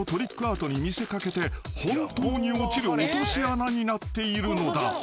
アートに見せかけて本当に落ちる落とし穴になっているのだ］